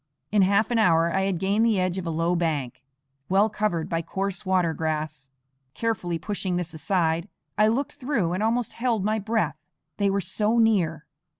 In half an hour I had gained the edge of a low bank, well covered by coarse water grass. Carefully pushing this aside, I looked through, and almost held my breath, they were so near.